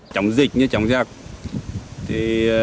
chống dịch như chống giặc tổ chúng tôi ở đây được bố trí bốn biên phòng